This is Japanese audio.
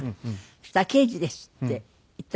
そしたら「刑事です」って言ったの。